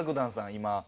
今。